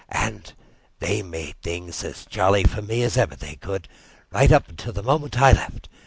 And they made things as jolly for me as ever they could, right up to the moment I left.